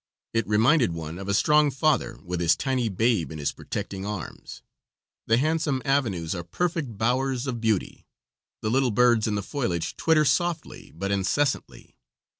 It reminded one of a strong father with his tiny babe in his protecting arms; the handsome avenues are perfect bowers of beauty; the little birds in the foliage twitter softly but incessantly.